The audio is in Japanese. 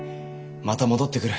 また戻ってくる。